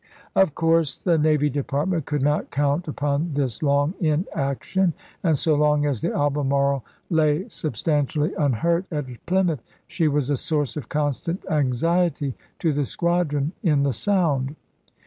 Of course the Navy Department could not count upoD this long inaction, and so long as the Albe marle lay substantially unhurt at Plymouth she was a source of constant anxiety to the squadron in the Sound.